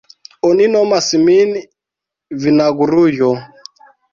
Oni nomas min vinagrujo.